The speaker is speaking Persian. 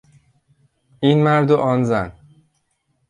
این مرد و آن زن